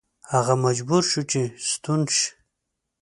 هغه مجبور شو چې ستون شي.